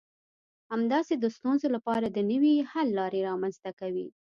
همداسې د ستونزو لپاره د نوي حل لارې رامنځته کوي.